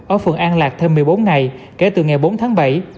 ở phường an lạc thêm một mươi bốn ngày kể từ ngày bốn tháng bảy